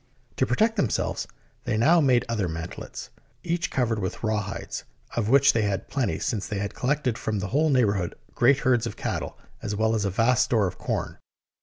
To protect themselves, they now made other mantelets, each covered with rawhides, of which they had plenty, since they had collected from the whole neighbourhood great herds of cattle, as well as a vast store of corn.